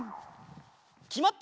きまった！